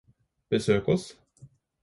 Besøk oss